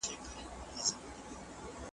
مُلا پرون مسلې کړلې د روژې د ثواب .